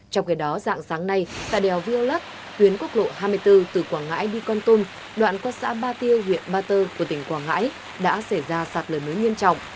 trong khi đó dạng sáng nay tại đèo viêu lắc tuyến quốc lộ hai mươi bốn từ quảng ngãi đi con tum đoạn qua xã ba tiêu huyện ba tơ của tỉnh quảng ngãi đã xảy ra sạt lở mới nghiêm trọng